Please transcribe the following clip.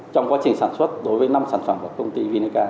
trong quá trình sản xuất đối với năm sản phẩm của công ty vinaca